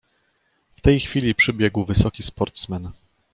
"W tej chwili przybiegł wysoki sportsmen."